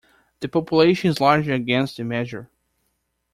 The population is largely against the measure.